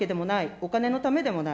お金のためでもない。